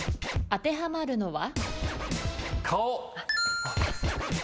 当てはまるのは？